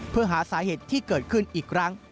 เพื่อหาสาเหตุที่เกิดขึ้นอีกครั้ง